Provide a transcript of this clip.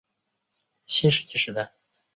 亚拉东遗址的历史年代为新石器时代。